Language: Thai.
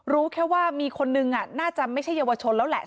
รู้แค่ว่ามีคนนึงน่าจะไม่ใช่เยาวชนแล้วแหละ